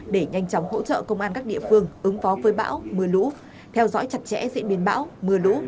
để nhanh chóng hỗ trợ công an các địa phương ứng phó với bão mưa lũ theo dõi chặt chẽ diễn biến bão mưa lũ